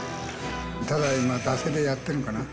ただ今惰性でやっているんかな。